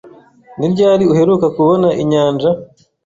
Ni ryari uheruka kubona inyanja?